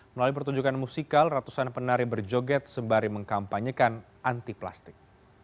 melalui pertunjukan musikal ratusan penari berjoget sembari mengkampanyekan anti plastik